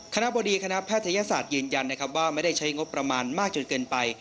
คณะบดีคณะแพทยศาสตร์ยืนยันนะครับว่าไม่ได้ใช้งบประมาณมากจนเกินไป